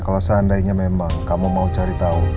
kalau seandainya memang kamu mau cari tahu